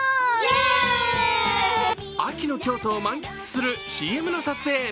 秋の京都を満喫するＣＭの撮影。